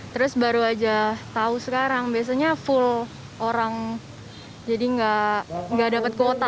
terus baru aja tahu sekarang biasanya full orang jadi nggak dapat kuota